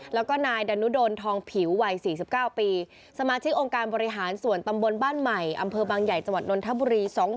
แล้วก็นายดานุดลทองผิววัย๔๙ปี